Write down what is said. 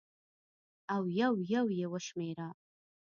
او یو یو یې وشمېره